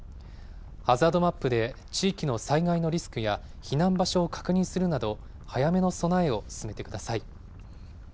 ハザードマップで地域の災害のリスクや、避難場所を確認するなど、早めの備えを進めてください。